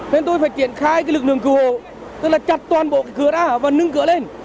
nên tôi phải triển khai lực lượng cửu hộ tức là chặt toàn bộ cửa ra và nâng cửa lên